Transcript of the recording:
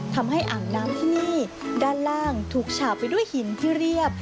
อ่างน้ำที่นี่ด้านล่างถูกฉาบไปด้วยหินที่เรียบ